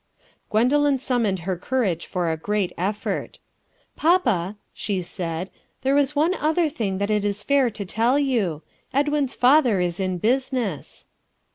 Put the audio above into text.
Gwendoline summoned her courage for a great effort. "Papa," she said, "there is one other thing that it is fair to tell you. Edwin's father is in business."